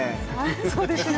そうですよね。